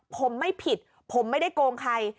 ผมไม่ผิดผมไม่ได้โกงใคร